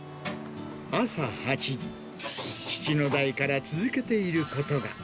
朝８時、父の代から続けていることが。